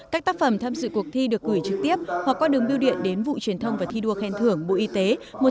các tác phẩm tham dự cuộc thi được gửi trực tiếp hoặc qua đường biêu điện đến vụ truyền thông và thi đua khen thưởng bộ y tế